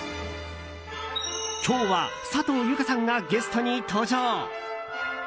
今日は佐藤有香さんがゲストに登場。